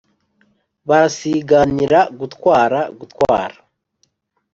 barasiganira gutwara gutwara